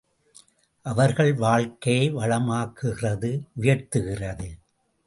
அவர்கள் வாழ்க்கையை வளமாக்குகிறது உயர்த்துகிறது.